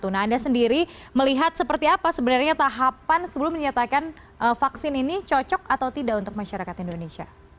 nah anda sendiri melihat seperti apa sebenarnya tahapan sebelum menyatakan vaksin ini cocok atau tidak untuk masyarakat indonesia